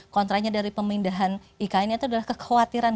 kontranya dari pemindahan ikn itu adalah kekhawatiran